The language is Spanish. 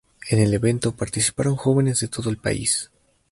En el evento participaron jóvenes de todo el país.